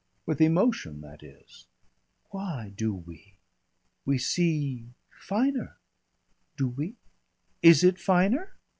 With emotion, that is." "Why do we?" "We see finer." "Do we? Is it finer?